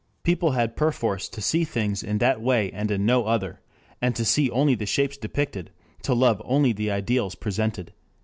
People had perforce to see things in that way and in no other, and to see only the shapes depicted, to love only the ideals presented...."